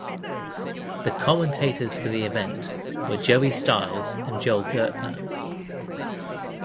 The commentators for the event were Joey Styles and Joel Gertner.